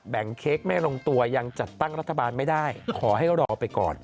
เค้กไม่ลงตัวยังจัดตั้งรัฐบาลไม่ได้ขอให้รอไปก่อน